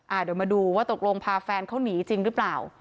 เดี๋ยวมาดูว่าตกลงพาแฟนเขาหนีจริงหรือเปล่า